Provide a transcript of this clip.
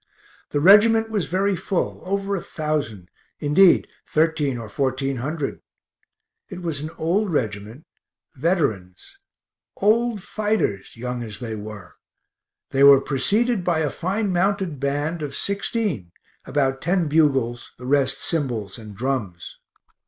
The regt. was very full, over a thousand indeed thirteen or fourteen hundred. It was an old regt., veterans, old fighters, young as they were. They were preceded by a fine mounted band of sixteen (about ten bugles, the rest cymbals and drums).